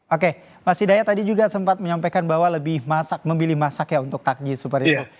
oke mas hidayat tadi juga sempat menyampaikan bahwa lebih masak memilih masak ya untuk takji seperti itu